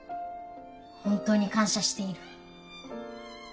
本当に感謝している。